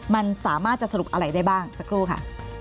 มันสามารถจะสรุปอะไรได้บ้างสักครู่ค่ะ